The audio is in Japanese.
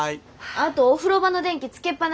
あとお風呂場の電気つけっ放し。